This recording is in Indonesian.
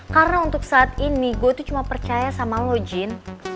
karena untuk saat ini gue tuh cuma percaya sama lo jin